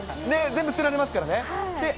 全部捨てられますからね。